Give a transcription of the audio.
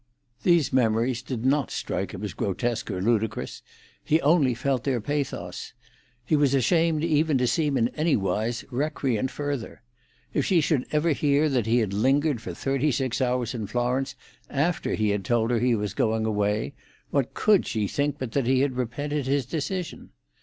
These memories did (not) strike him as grotesque or ludicrous; he only felt their pathos. He was ashamed even to seem in anywise recreant further. If she should ever hear that he had lingered for thirty six hours in Florence after he had told her he was going away, what could she think but that he had repented his decision?